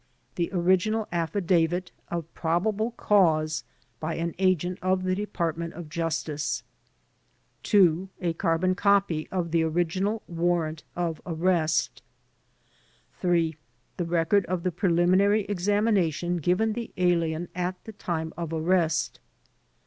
The original affidavit of probable cause by an agent of the Department of Justice. 2. A carbon copy of the original warrant of arrest. 3. The record of the preliminary examination given the alien at the time of arrest.